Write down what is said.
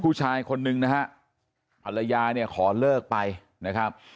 ผู้ชายคนนึงนะฮะภรรยาเนี่ยขอเลิกไปนะครับ